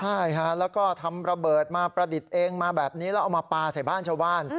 ใช่ฮะแล้วก็ทำระเบิดมาประดิษฐ์เองมาแบบนี้แล้วเอามาปลาใส่บ้านชาวบ้าน